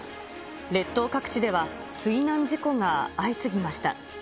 列島各地では、水難事故が相次ぎました。